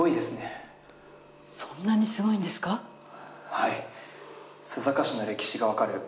はい。